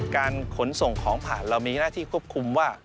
การขนส่งของผ่านเรามีหน้าที่ควบคุมว่า